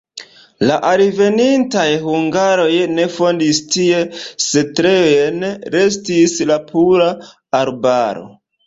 La alvenintaj hungaroj ne fondis tie setlejon, restis la pura arbaro.